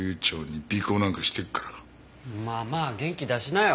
まあまあ元気出しなよ。